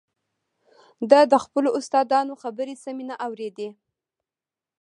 ده د خپلو استادانو خبرې سمې نه اورېدې